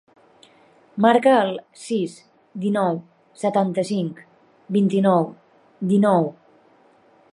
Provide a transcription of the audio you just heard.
Marca el sis, dinou, setanta-cinc, vint-i-nou, dinou.